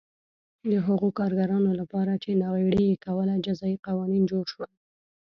د هغو کارګرانو لپاره چې ناغېړي یې کوله جزايي قوانین جوړ شول